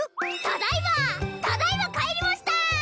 ただいまただいま帰りました！